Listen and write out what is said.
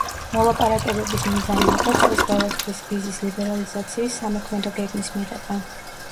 მოლაპარაკებების მიზანი იყო წლის ბოლოსთვის „ვიზის ლიბერალიზაციის სამოქმედო გეგმის“ მიღება.